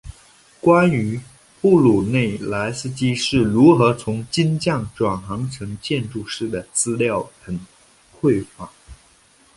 关于布鲁内莱斯基是如何从金匠转行成建筑师的资料很匮乏。